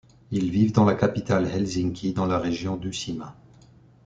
Ils vivent dans la capitale Helsinki, dans la région d'Uusimaa.